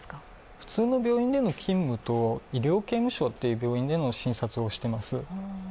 普通の病院での勤務と医療刑務所という病院での診察をしています。